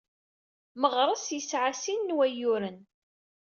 Meɣres yesɛa sin n wayyuren.